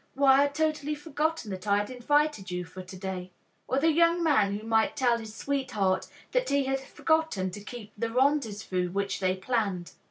Why, I had totally forgotten that I had invited you for to day"; or the young man who might tell his sweetheart that he had forgotten to keep the rendezvous which they planned.